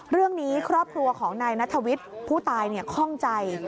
เรื่องนี้ครอบครัวของนายนัทวิทย์ผู้ตายคล่องใจ